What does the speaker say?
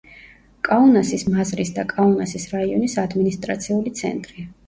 კაუნასის მაზრის და კაუნასის რაიონის ადმინისტრაციული ცენტრი.